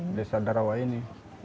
di desa darawah ini